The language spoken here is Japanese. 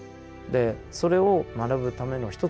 でそれを学ぶための